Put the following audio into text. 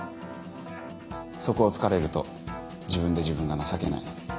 そこを突かれると自分で自分が情けない。